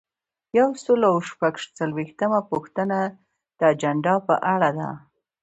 یو سل او شپږ څلویښتمه پوښتنه د اجنډا په اړه ده.